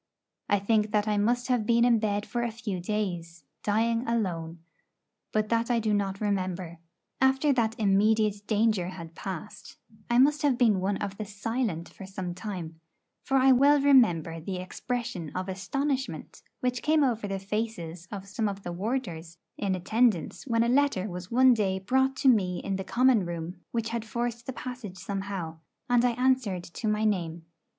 I think that I must have been in bed for a few days, dying alone; but that I do not remember. After that immediate danger had passed, I must have been one of the silent for some time; for I well remember the expression of astonishment which came over the faces of some of the warders in attendance when a letter was one day brought to me in the common room which had forced the passage somehow, and I answered to my name.